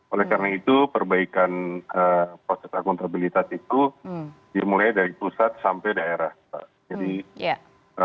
oleh karena itu perbaikan proses akuntabilitas itu dimulai dari pusat sampai daerah pak